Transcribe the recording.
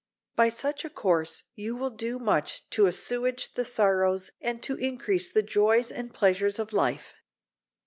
By such a course you will do much to assuage the sorrows and to increase the joys and pleasures of life.